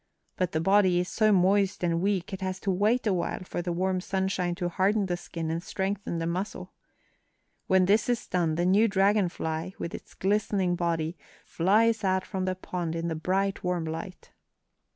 But the body is so moist and weak it has to wait awhile for the warm sunshine to harden the skin and strengthen the muscle. When this is done the new dragon fly, with its glistening body, flies out from the pond in the bright, warm light."